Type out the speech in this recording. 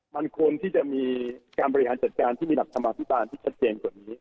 มันควรที่จะมีการบริหารจัดการที่มีต่ำกรรมที่ตอบแรงกว่านี้